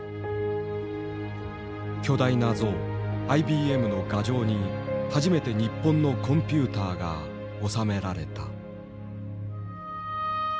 巨大な象ＩＢＭの牙城に初めて日本のコンピューターが納められた。